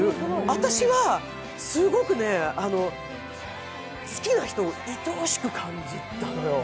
私は、すごく、好きな人をいとおしく感じたのよ。